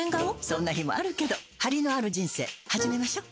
そんな日もあるけどハリのある人生始めましょ。